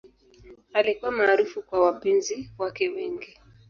Alikuwa maarufu kwa wapenzi wake wengi.